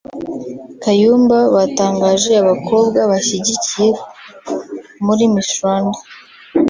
Kayumba batangaje abakobwa bashyigikiye muri Miss Rwanda